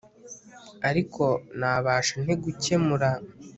Ariko nabasha nte gukemura